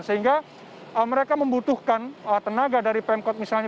sehingga mereka membutuhkan tenaga dari pemkot misalnya